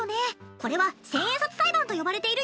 これは「千円札裁判」と呼ばれているよ。